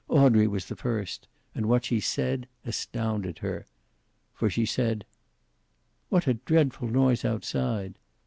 Audrey was the first, and what she said astounded her. For she said: "What a dreadful noise outside."